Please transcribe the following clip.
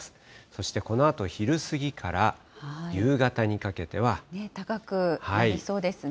そしてこのあと昼過ぎから、夕方高くなりそうですね。